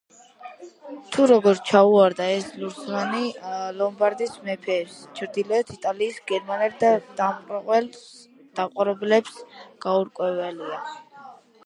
თუ როგორ ჩაუვარდა ეს ლურსმანი ლომბარდის მეფეებს, ჩრდილოეთ იტალიის გერმანელ დამპყრობლებს, გაურკვეველია.